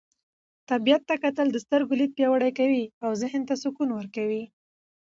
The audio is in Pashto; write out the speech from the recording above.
طبیعت ته کتل د سترګو لید پیاوړی کوي او ذهن ته سکون ورکوي.